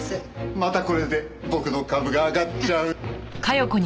またこれで僕の株が上がっちゃう。